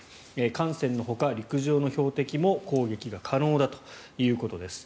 艦船のほか陸上の標的も攻撃が可能だということです。